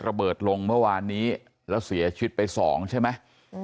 ระเบิดลงเมื่อวานนี้แล้วเสียชีวิตไปสองใช่ไหม